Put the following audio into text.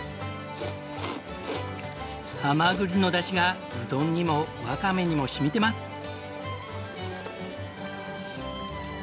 ハマグリのだしがうどんにもワカメにも染みてます。